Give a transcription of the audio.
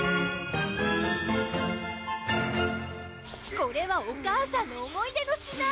これはお母さんの思い出の品！